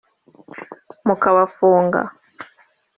mukabafunga